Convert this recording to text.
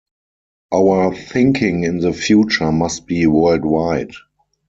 Our thinking in the future must be world-wide.